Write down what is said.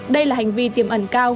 đây là hành vi tiềm ẩn cao